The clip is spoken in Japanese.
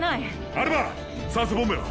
アルバ酸素ボンベは？